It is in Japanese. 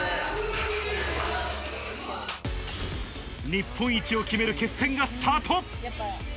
日本一を決める決戦がスタート。